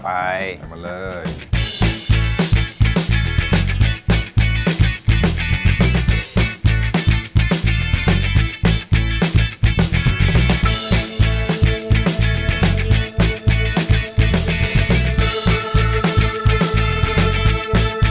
โอเคครับเราก็ใส่หอยที่เมื่อกี้เราลวกไว้แล้วก็แกะออกมาจากเนื้อแล้วนะครับ